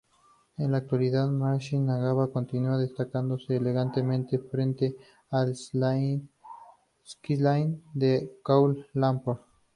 En la actualidad, Masjid Negara continúa destacándose elegante frente al "skyline" de Kuala Lumpur.